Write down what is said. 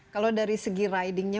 kalau dari segi ridingnya